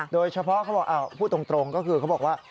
โดยเฉพาะเขาบอกพูดตรงก็คือเขาบอกว่า